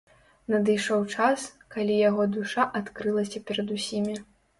Надышоў час, калі яго душа адкрылася перад усімі.